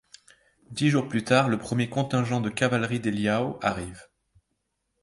Dix jours plus tard, le premier contingent de cavalerie des Liao arrive.